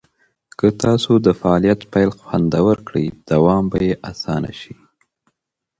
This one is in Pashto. که تاسو د فعالیت پیل خوندور کړئ، دوام به یې اسانه شي.